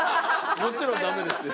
もちろんダメですよ。